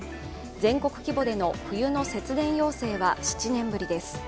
全国規模での冬の節電要請は７年ぶりです。